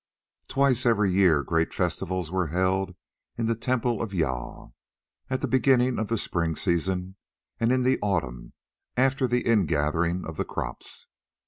Twice in every year great festivals were held in the temple of Jâl, at the beginning of the spring season and in the autumn after the ingathering of the crops.